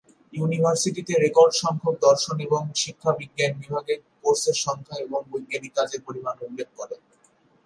ইউনিভার্সিটিতে রেকর্ডসংখ্যক দর্শন এবং শিক্ষা বিজ্ঞান বিভাগে কোর্সের সংখ্যা এবং বৈজ্ঞানিক কাজের পরিমাণ উল্লেখ করে।